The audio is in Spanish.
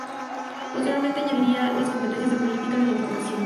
Posteriormente añadiría las competencias de Política de la Información.